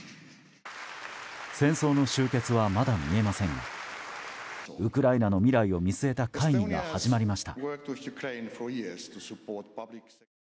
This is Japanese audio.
戦争の終結はまだ見えませんがウクライナの未来を見据えた会議が始まりました。